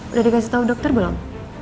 udah dikasih tahu dokter belum